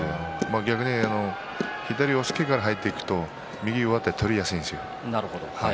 逆に左の押っつけから入っていくと右の上手を取りやすいんですよ。